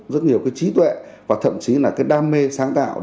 rất nhiều trí tuệ và thậm chí đam mê sáng tạo